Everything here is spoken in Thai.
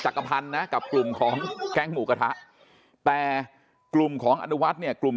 พันธ์นะกับกลุ่มของแก๊งหมูกระทะแต่กลุ่มของอนุวัฒน์เนี่ยกลุ่ม